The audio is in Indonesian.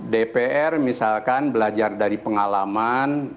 dpr misalkan belajar dari pengalaman